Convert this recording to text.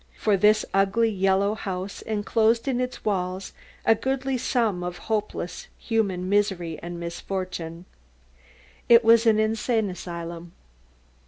For this ugly yellow house enclosed in its walls a goodly sum of hopeless human misery and misfortune. It was an insane asylum.